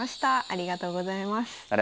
ありがとうございます。